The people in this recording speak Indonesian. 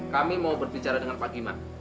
kami mau berbicara dengan pak gima